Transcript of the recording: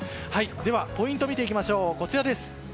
ではポイントを見ていきましょう。